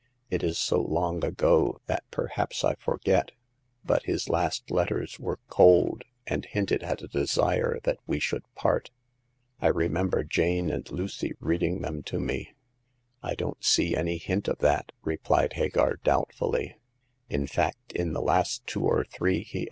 It is so long ago that perhaps I forget ; but his last letters were cold, and hinted at a desire that we should part. I remember Jane and Lucy reading them to me." " I don't see any hint of that," replied Hagar, doubtfully ;" in fact, in the last two ot 1\\\^^ V^^ i7o Hagar of the Pawn Shop.